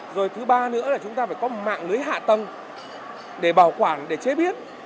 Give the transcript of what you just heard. rồi thứ ba nữa là chúng ta phải có mạng lưới hạ tầng để bảo quản để chế biến